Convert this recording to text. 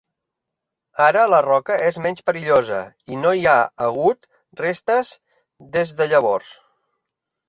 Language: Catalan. Ara la roca és menys perillosa i no hi ha hagut restes des de llavors.